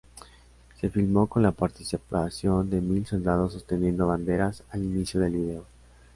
Se filmó con la participación de mil soldados sosteniendo banderas al inicio del vídeo.